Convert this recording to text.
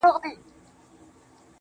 چي د مندر کار د پنډت په اشارو کي بند دی,